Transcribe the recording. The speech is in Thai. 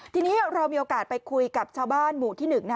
ทีนี้เรามีโอกาสไปคุยกับเจ้าบ้านหมู่ที่หนึ่งตรี